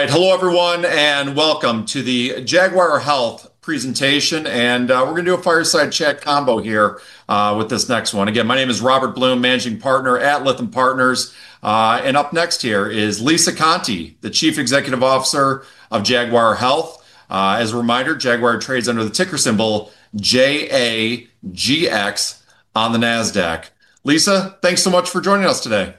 All right. Hello, everyone, and welcome to the Jaguar Health presentation, and we're going to do a fireside chat combo here with this next one. Again, my name is Robert Bloom, Managing Partner at Lithium Partners, and up next here is Lisa Conte, the Chief Executive Officer of Jaguar Health. As a reminder, Jaguar trades under the ticker symbol JAGX on the Nasdaq. Lisa, thanks so much for joining us today.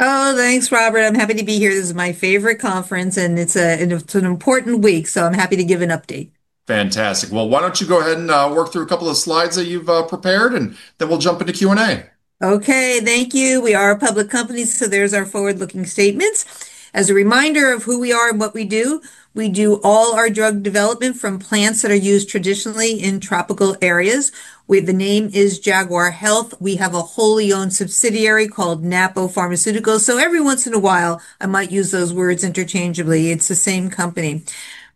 Oh, thanks, Robert. I'm happy to be here. This is my favorite conference, and it's an important week, so I'm happy to give an update. Fantastic. Well, why don't you go ahead and work through a couple of slides that you've prepared, and then we'll jump into Q&A. Okay, thank you. We are a public company, so there's our forward-looking statements. As a reminder of who we are and what we do, we do all our drug development from plants that are used traditionally in tropical areas. The name is Jaguar Health. We have a wholly owned subsidiary called Napo Pharmaceuticals. So every once in a while, I might use those words interchangeably. It's the same company.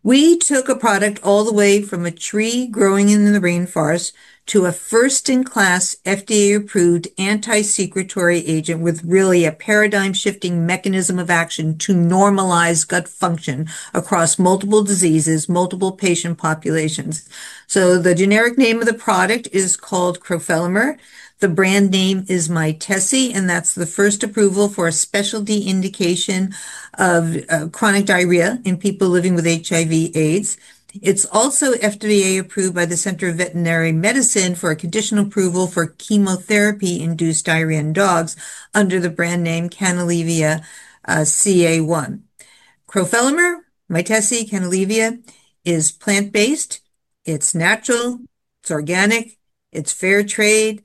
We took a product all the way from a tree growing in the rainforest to a first-in-class FDA-approved anti-secretory agent with really a paradigm-shifting mechanism of action to normalize gut function across multiple diseases, multiple patient populations. So the generic name of the product is called crofelemer. The brand name is Mytesi, and that's the first approval for a specialty indication of chronic diarrhea in people living with HIV/AIDS. It's also FDA-approved by the Center for Veterinary Medicine for a conditional approval for chemotherapy-induced diarrhea in dogs under the brand name Canalevia-CA1. Crofelemer, Mytesi, Canalevia is plant-based. It's natural. It's organic. It's fair trade,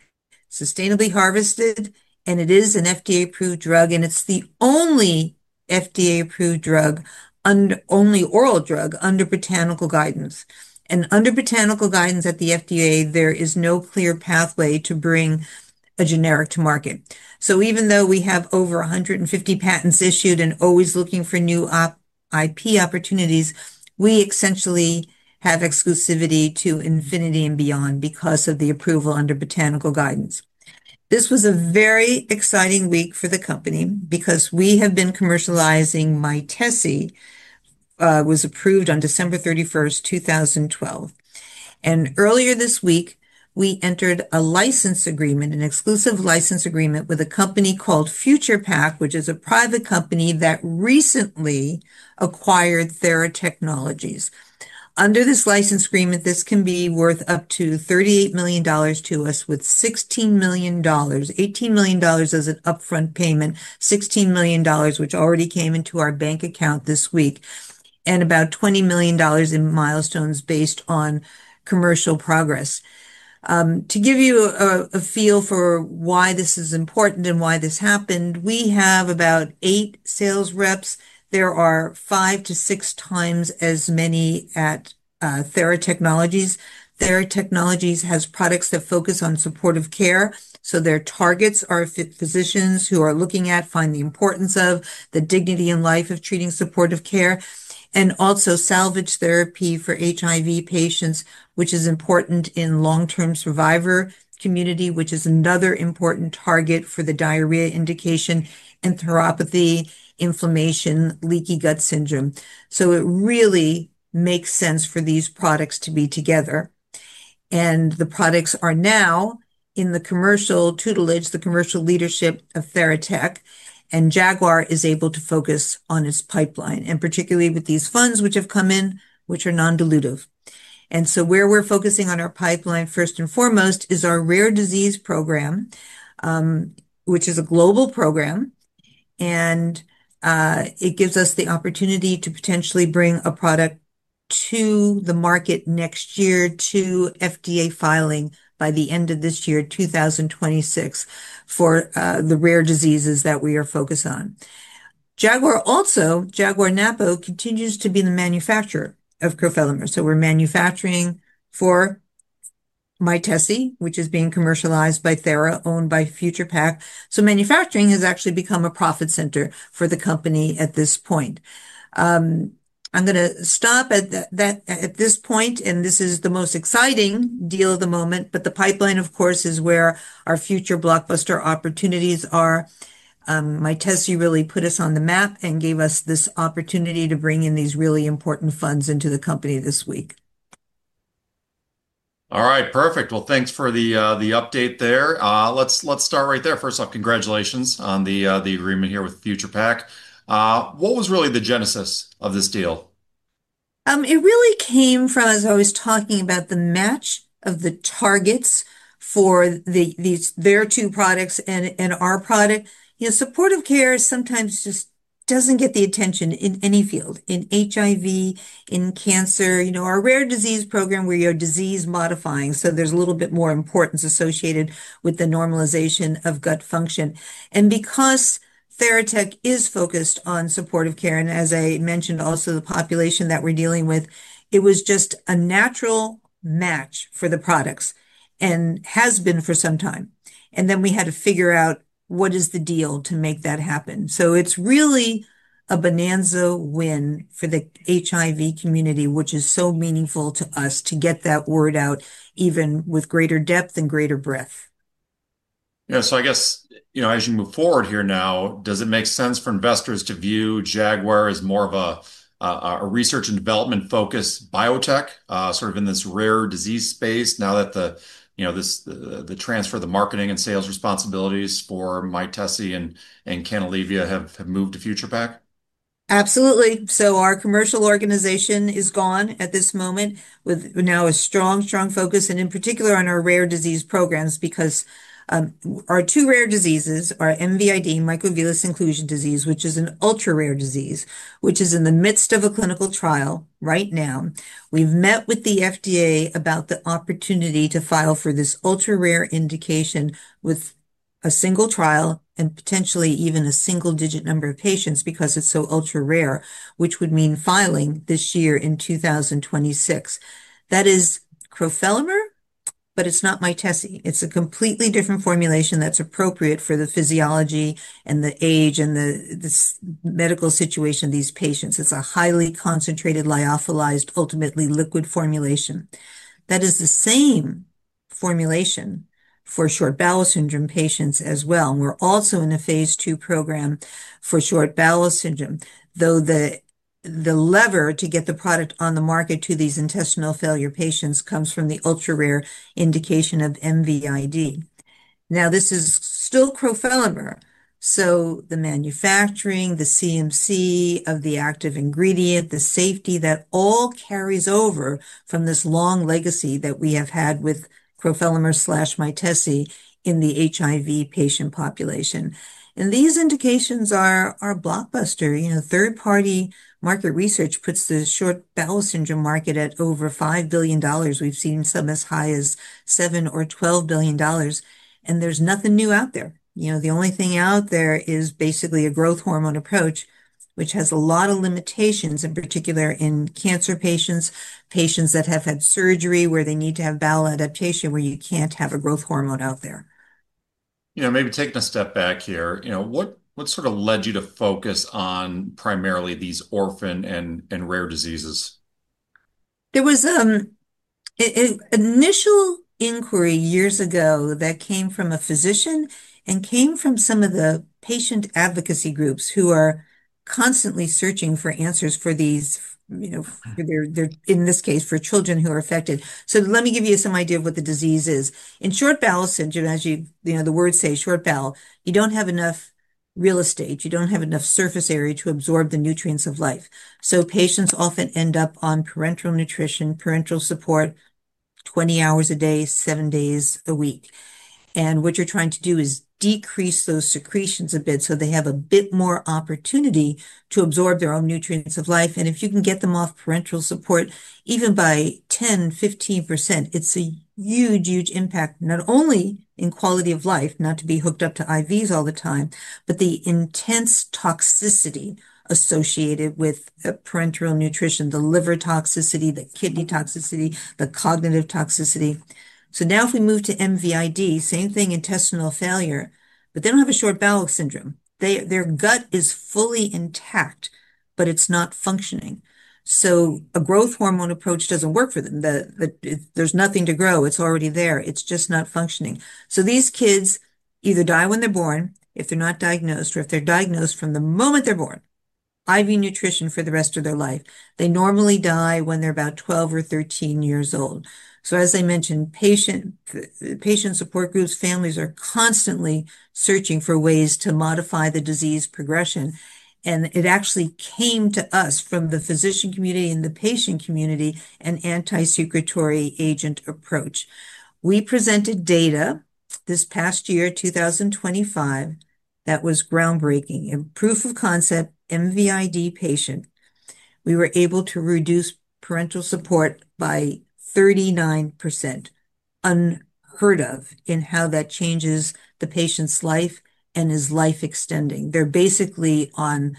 sustainably harvested, and it is an FDA-approved drug. And it's the only FDA-approved drug, only oral drug under botanical guidance. And under botanical guidance at the FDA, there is no clear pathway to bring a generic to market. So even though we have over 150 patents issued and always looking for new IP opportunities, we essentially have exclusivity to infinity and beyond because of the approval under botanical guidance. This was a very exciting week for the company because we have been commercializing Mytesi. It was approved on December 31st, 2012. Earlier this week, we entered a license agreement, an exclusive license agreement with a company called FuturePak, which is a private company that recently acquired Theratechnologies. Under this license agreement, this can be worth up to $38 million to us with $16 million, $18 million as an upfront payment, $16 million, which already came into our bank account this week, and about $20 million in milestones based on commercial progress. To give you a feel for why this is important and why this happened, we have about eight sales reps. There are five to six times as many at Theratechnologies. Theratechnologies has products that focus on supportive care. So their targets are physicians who are looking at, find the importance of the dignity and life of treating supportive care, and also salvage therapy for HIV patients, which is important in the long-term survivor community, which is another important target for the diarrhea indication and therapy, inflammation, leaky gut syndrome. So it really makes sense for these products to be together. And the products are now in the commercial tutelage, the commercial leadership of Theratechnologies, and Jaguar is able to focus on its pipeline, and particularly with these funds which have come in, which are non-dilutive. And so where we're focusing on our pipeline, first and foremost, is our rare disease program, which is a global program. And it gives us the opportunity to potentially bring a product to the market next year to FDA filing by the end of this year, 2026, for the rare diseases that we are focused on. Jaguar also, Jaguar Napo, continues to be the manufacturer of crofelemer, so we're manufacturing for Mytesi, which is being commercialized by Theratechnologies, owned by FuturePak, so manufacturing has actually become a profit center for the company at this point. I'm going to stop at this point, and this is the most exciting deal of the moment, but the pipeline, of course, is where our future blockbuster opportunities are. Mytesi really put us on the map and gave us this opportunity to bring in these really important funds into the company this week. All right. Perfect. Well, thanks for the update there. Let's start right there. First off, congratulations on the agreement here with FuturePak. What was really the genesis of this deal? It really came from, as I was talking about, the match of the targets for their two products and our product. Supportive care sometimes just doesn't get the attention in any field, in HIV, in cancer. Our rare disease program, where you have disease modifying, so there's a little bit more importance associated with the normalization of gut function, and because Theratechnologies is focused on supportive care, and as I mentioned, also the population that we're dealing with, it was just a natural match for the products and has been for some time, and then we had to figure out what is the deal to make that happen, so it's really a bonanza win for the HIV community, which is so meaningful to us to get that word out, even with greater depth and greater breadth. Yeah. So I guess, as you move forward here now, does it make sense for investors to view Jaguar as more of a research and development-focused biotech, sort of in this rare disease space now that the transfer of the marketing and sales responsibilities for Mytesi and Canalevia have moved to FuturePak? Absolutely, so our commercial organization is gone at this moment with now a strong, strong focus, and in particular on our rare disease programs because our two rare diseases are MVID, microvillus inclusion disease, which is an ultra-rare disease, which is in the midst of a clinical trial right now. We've met with the FDA about the opportunity to file for this ultra-rare indication with a single trial and potentially even a single-digit number of patients because it's so ultra-rare, which would mean filing this year in 2026. That is crofelemer, but it's not Mytesi. It's a completely different formulation that's appropriate for the physiology and the age and the medical situation of these patients. It's a highly concentrated, lyophilized, ultimately liquid formulation. That is the same formulation for short bowel syndrome patients as well. We're also in a phase two program for short bowel syndrome, though the lever to get the product on the market to these intestinal failure patients comes from the ultra-rare indication of MVID. Now, this is still crofelemer. So the manufacturing, the CMC of the active ingredient, the safety that all carries over from this long legacy that we have had with crofelemer/Mytesi in the HIV patient population. And these indications are blockbuster. Third-party market research puts the short bowel syndrome market at over $5 billion. We've seen some as high as $7 billion or $12 billion. And there's nothing new out there. The only thing out there is basically a growth hormone approach, which has a lot of limitations, in particular in cancer patients, patients that have had surgery where they need to have bowel adaptation, where you can't have a growth hormone out there. Maybe taking a step back here, what sort of led you to focus on primarily these orphan and rare diseases? There was an initial inquiry years ago that came from a physician and came from some of the patient advocacy groups who are constantly searching for answers for these, in this case, for children who are affected, so let me give you some idea of what the disease is. In short bowel syndrome, as the words say, short bowel, you don't have enough real estate. You don't have enough surface area to absorb the nutrients of life, so patients often end up on parenteral nutrition, parenteral support, 20 hours a day, seven days a week, and what you're trying to do is decrease those secretions a bit so they have a bit more opportunity to absorb their own nutrients of life. And if you can get them off parenteral support even by 10%-15%, it's a huge, huge impact, not only in quality of life, not to be hooked up to IVs all the time, but the intense toxicity associated with parenteral nutrition, the liver toxicity, the kidney toxicity, the cognitive toxicity. So now if we move to MVID, same thing, intestinal failure, but they don't have a short bowel syndrome. Their gut is fully intact, but it's not functioning. So a growth hormone approach doesn't work for them. There's nothing to grow. It's already there. It's just not functioning. So these kids either die when they're born, if they're not diagnosed, or if they're diagnosed from the moment they're born, IV nutrition for the rest of their life. They normally die when they're about 12 or 13 years old. As I mentioned, patient support groups, families are constantly searching for ways to modify the disease progression. It actually came to us from the physician community and the patient community, an anti-secretory agent approach. We presented data this past year, 2025, that was groundbreaking. Proof of concept, MVID patient, we were able to reduce parenteral support by 39%. Unheard of in how that changes the patient's life and is life-extending. They're basically on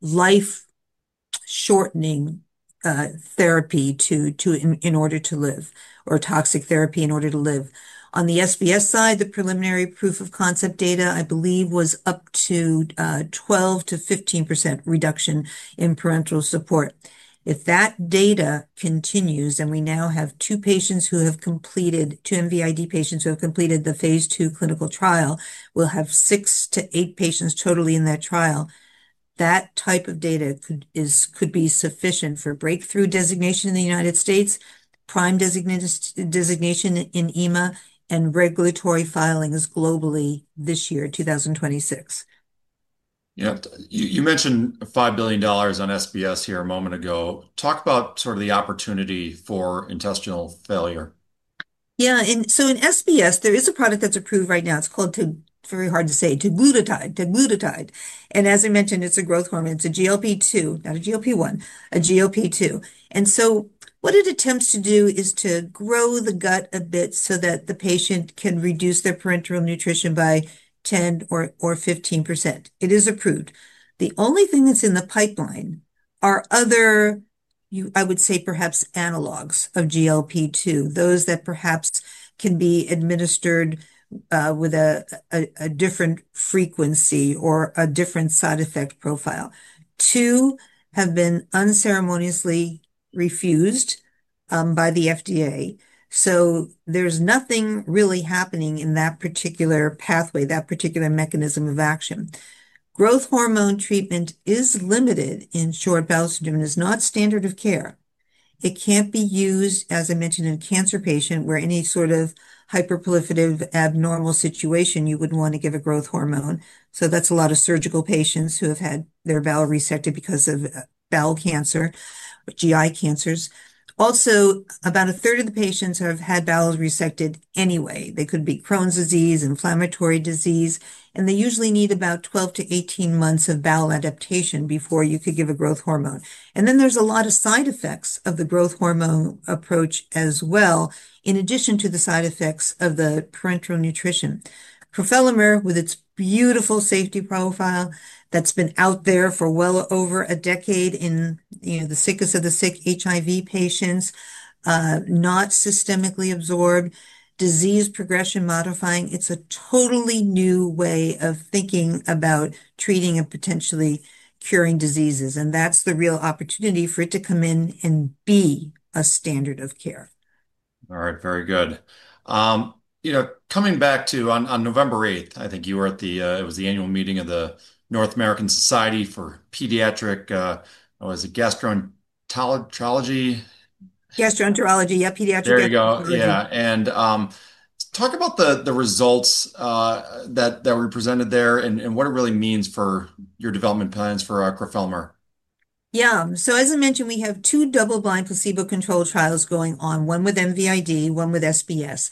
life-shortening therapy in order to live or toxic therapy in order to live. On the SBS side, the preliminary proof of concept data, I believe, was up to 12%-15% reduction in parenteral support. If that data continues, and we now have two patients who have completed, two MVID patients who have completed the phase 2 clinical trial, we'll have six to eight patients totally in that trial. That type of data could be sufficient for breakthrough designation in the United States, prime designation in EMA, and regulatory filings globally this year, 2026. Yeah. You mentioned $5 billion on SBS here a moment ago. Talk about sort of the opportunity for intestinal failure. Yeah. And so in SBS, there is a product that's approved right now. It's called, very hard to say, teduglutide. And as I mentioned, it's a growth hormone. It's a GLP-2, not a GLP-1, a GLP-2. And so what it attempts to do is to grow the gut a bit so that the patient can reduce their parenteral nutrition by 10% or 15%. It is approved. The only thing that's in the pipeline are other, I would say, perhaps analogs of GLP-2, those that perhaps can be administered with a different frequency or a different side effect profile. Two have been unceremoniously refused by the FDA. So there's nothing really happening in that particular pathway, that particular mechanism of action. Growth hormone treatment is limited in short bowel syndrome and is not standard of care. It can't be used, as I mentioned, in a cancer patient where any sort of hyperproliferative abnormal situation, you wouldn't want to give a growth hormone. So that's a lot of surgical patients who have had their bowel resected because of bowel cancer, GI cancers. Also, about a third of the patients have had bowels resected anyway. They could be Crohn's disease, inflammatory disease, and they usually need about 12-18 months of bowel adaptation before you could give a growth hormone. And then there's a lot of side effects of the growth hormone approach as well, in addition to the side effects of the parenteral nutrition. Crofelemer, with its beautiful safety profile that's been out there for well over a decade in the sickest of the sick HIV patients, not systemically absorbed, disease progression modifying, it's a totally new way of thinking about treating and potentially curing diseases. That's the real opportunity for it to come in and be a standard of care. All right. Very good. Coming back to, on November 8th, I think you were at the, it was the annual meeting of the North American Society for Pediatric, what was it, Gastroenterology? Gastroenterology, yeah, Pediatric. There you go. Yeah. And talk about the results that were presented there and what it really means for your development plans for crofelemer. Yeah. So as I mentioned, we have two double-blind placebo-controlled trials going on, one with MVID, one with SBS.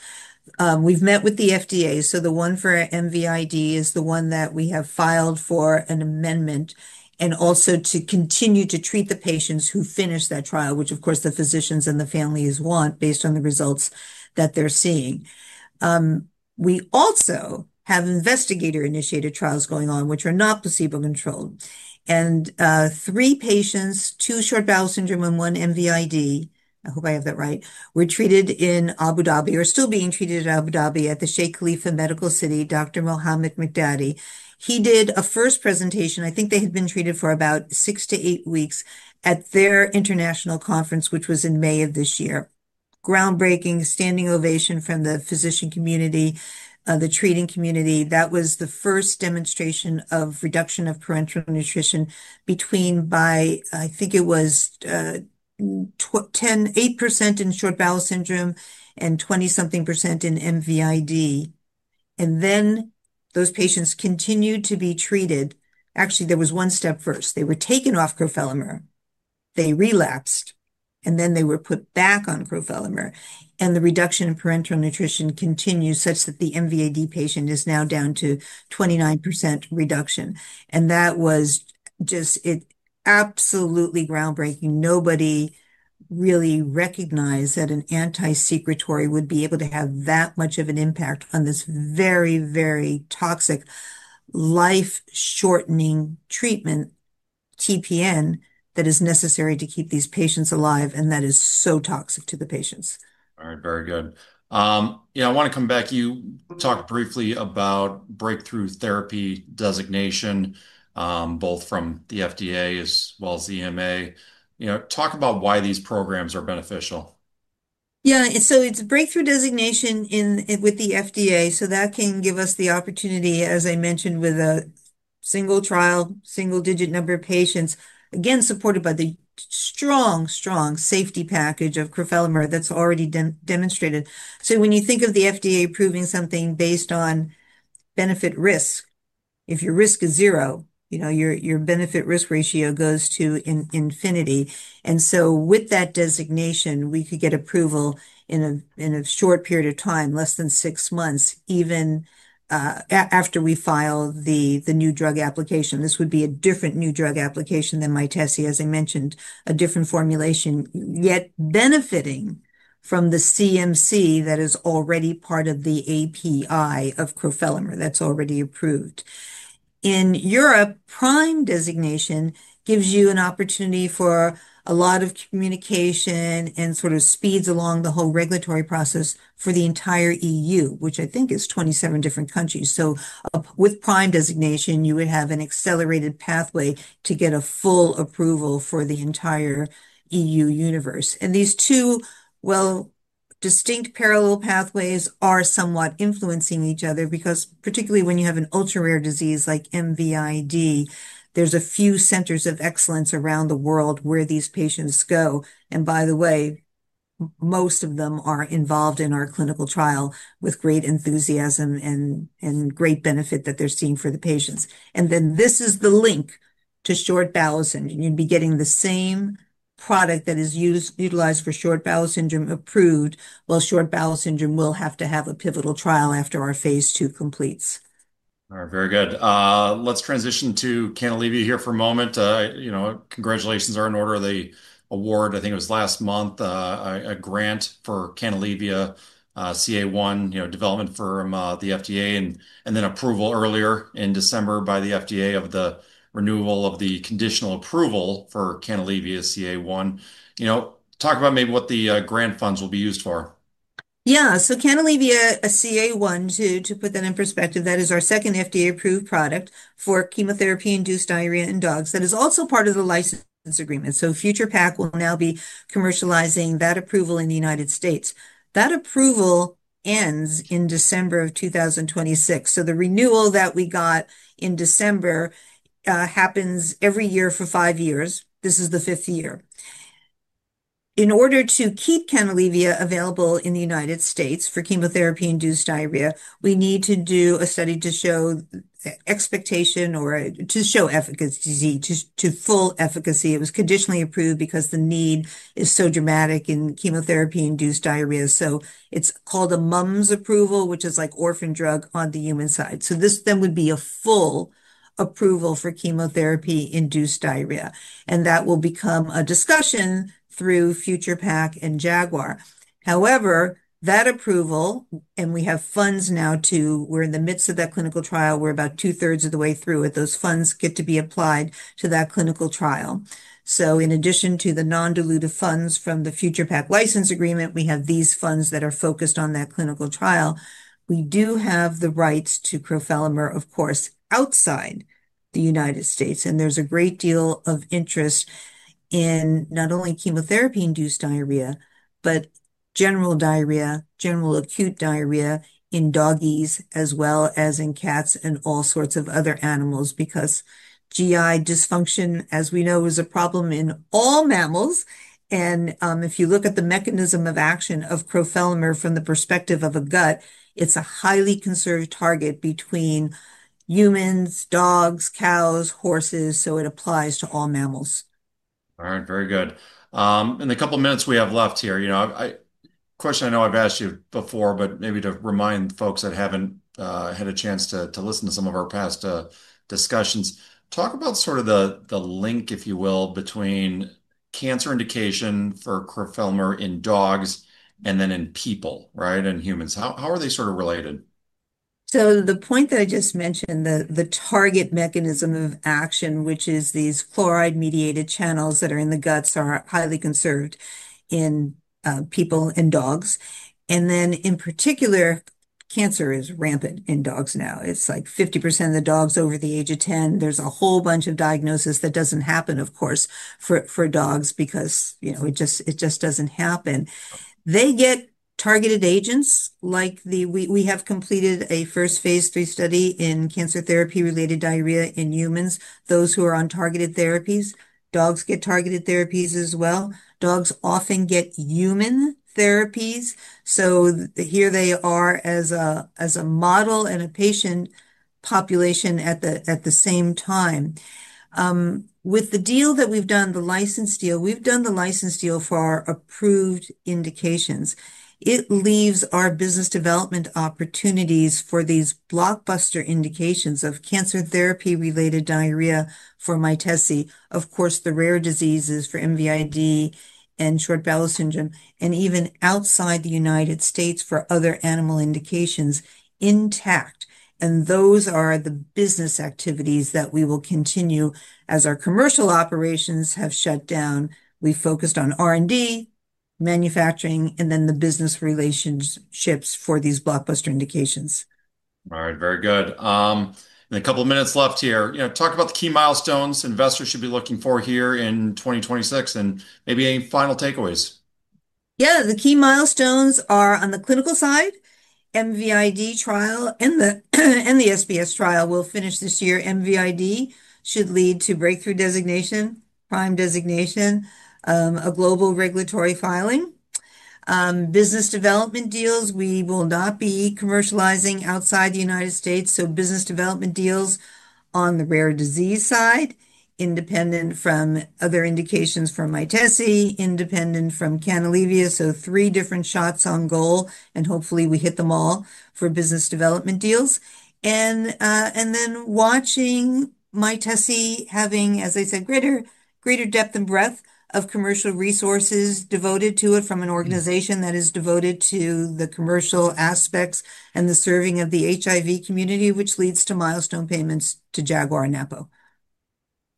We've met with the FDA. So the one for MVID is the one that we have filed for an amendment and also to continue to treat the patients who finish that trial, which, of course, the physicians and the families want based on the results that they're seeing. We also have investigator-initiated trials going on, which are not placebo-controlled. And three patients, two short bowel syndrome and one MVID, I hope I have that right, were treated in Abu Dhabi or still being treated in Abu Dhabi at the Sheikh Khalifa Medical City, Dr. Mohamad Miqdady. He did a first presentation. I think they had been treated for about six-to-eight weeks at their international conference, which was in May of this year. Groundbreaking, standing ovation from the physician community, the treating community. That was the first demonstration of reduction of parenteral nutrition between 8 and 10% in short bowel syndrome and 20-something% in MVID, and then those patients continued to be treated. Actually, there was one step first. They were taken off crofelemer. They relapsed, and then they were put back on crofelemer, and the reduction in parenteral nutrition continued such that the MVID patient is now down to 29% reduction, and that was just absolutely groundbreaking. Nobody really recognized that an anti-secretory would be able to have that much of an impact on this very, very toxic life-shortening treatment, TPN, that is necessary to keep these patients alive, and that is so toxic to the patients. All right. Very good. I want to come back. You talked briefly about breakthrough therapy designation, both from the FDA as well as the EMA. Talk about why these programs are beneficial. Yeah. So it's Breakthrough Designation with the FDA. So that can give us the opportunity, as I mentioned, with a single trial, single-digit number of patients, again, supported by the strong, strong safety package of crofelemer that's already demonstrated. So when you think of the FDA approving something based on benefit-risk, if your risk is zero, your benefit-risk ratio goes to infinity. And so with that designation, we could get approval in a short period of time, less than six months, even after we file the new drug application. This would be a different new drug application than Mytesi, as I mentioned, a different formulation, yet benefiting from the CMC that is already part of the API of crofelemer that's already approved. In Europe, prime designation gives you an opportunity for a lot of communication and sort of speeds along the whole regulatory process for the entire EU, which I think is 27 different countries. So with prime designation, you would have an accelerated pathway to get a full approval for the entire EU universe. And these two, well, distinct parallel pathways are somewhat influencing each other because particularly when you have an ultra-rare disease like MVID, there's a few centers of excellence around the world where these patients go. And by the way, most of them are involved in our clinical trial with great enthusiasm and great benefit that they're seeing for the patients. And then this is the link to Short Bowel Syndrome. You'd be getting the same product that is utilized for Short Bowel Syndrome approved, while Short Bowel Syndrome will have to have a pivotal trial after our phase 2 completes. All right. Very good. Let's transition to Canalevia here for a moment. Congratulations are in order. They award, I think it was last month, a grant for Canalevia-CA1, development from the FDA, and then approval earlier in December by the FDA of the renewal of the conditional approval for Canalevia-CA1. Talk about maybe what the grant funds will be used for. Yeah. So Canalevia CA1, to put that in perspective, that is our second FDA-approved product for chemotherapy-induced diarrhea in dogs that is also part of the license agreement. So FuturePak will now be commercializing that approval in the United States. That approval ends in December of 2026. So the renewal that we got in December happens every year for five years. This is the fifth year. In order to keep Canalevia available in the United States for chemotherapy-induced diarrhea, we need to do a study to show expectation or to show efficacy to full efficacy. It was conditionally approved because the need is so dramatic in chemotherapy-induced diarrhea. So it's called a MUMS approval, which is like orphan drug on the human side. So this then would be a full approval for chemotherapy-induced diarrhea. And that will become a discussion through FuturePak and Jaguar. However, that approval, and we have funds now, too. We're in the midst of that clinical trial. We're about two-thirds of the way through with those funds get to be applied to that clinical trial. So in addition to the non-dilutive funds from the FuturePak license agreement, we have these funds that are focused on that clinical trial. We do have the rights to crofelemer, of course, outside the United States, and there's a great deal of interest in not only chemotherapy-induced diarrhea, but general diarrhea, general acute diarrhea in doggies as well as in cats and all sorts of other animals because GI dysfunction, as we know, is a problem in all mammals, and if you look at the mechanism of action of crofelemer from the perspective of a gut, it's a highly conserved target between humans, dogs, cows, horses, so it applies to all mammals. All right. Very good. In the couple of minutes we have left here, a question I know I've asked you before, but maybe to remind folks that haven't had a chance to listen to some of our past discussions, talk about sort of the link, if you will, between cancer indication for crofelemer in dogs and then in people, right, in humans. How are they sort of related? So the point that I just mentioned, the target mechanism of action, which is these chloride-mediated channels that are in the guts, are highly conserved in people and dogs. And then in particular, cancer is rampant in dogs now. It's like 50% of the dogs over the age of 10. There's a whole bunch of diagnosis that doesn't happen, of course, for dogs because it just doesn't happen. They get targeted agents. We have completed a first phase 3 study in cancer therapy-related diarrhea in humans, those who are on targeted therapies. Dogs get targeted therapies as well. Dogs often get human therapies. So here they are as a model and a patient population at the same time. With the deal that we've done, the license deal, we've done the license deal for our approved indications. It leaves our business development opportunities for these blockbuster indications of cancer therapy-related diarrhea for Mytesi, of course, the rare diseases for MVID and short bowel syndrome, and even outside the United States for other animal indications intact, and those are the business activities that we will continue as our commercial operations have shut down. We focused on R&D, manufacturing, and then the business relationships for these blockbuster indications. All right. Very good. In a couple of minutes left here, talk about the key milestones investors should be looking for here in 2026 and maybe any final takeaways. Yeah. The key milestones are on the clinical side, MVID trial and the SBS trial. We'll finish this year. MVID should lead to breakthrough designation, prime designation, a global regulatory filing. Business development deals, we will not be commercializing outside the United States. So business development deals on the rare disease side, independent from other indications for Mytesi, independent from Canalevia. So three different shots on goal, and hopefully we hit them all for business development deals. And then watching Mytesi having, as I said, greater depth and breadth of commercial resources devoted to it from an organization that is devoted to the commercial aspects and the serving of the HIV community, which leads to milestone payments to Jaguar and Napo.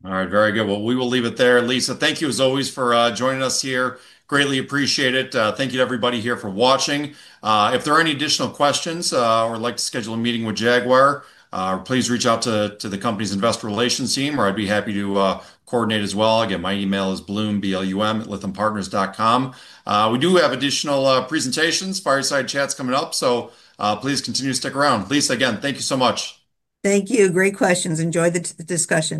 All right. Very good. Well, we will leave it there. Lisa, thank you as always for joining us here. Greatly appreciate it. Thank you to everybody here for watching. If there are any additional questions or would like to schedule a meeting with Jaguar, please reach out to the company's investor relations team, or I'd be happy to coordinate as well. Again, my email is bloom@lithiumpartners.com. We do have additional presentations, fireside chats coming up. So please continue to stick around. Lisa, again, thank you so much. Thank you. Great questions. Enjoy the discussion.